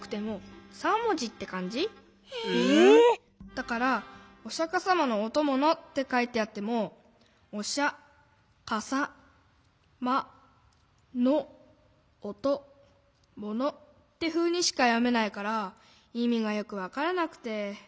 だから「おしゃかさまのおともの」ってかいてあっても。ってふうにしかよめないからいみがよくわからなくて。